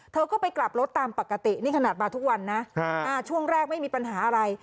เธอก็ไปกลับรถตามปกตินี่ขนาดมาทุกวันนะช่วงแรกไม่มีปัญหาอะไร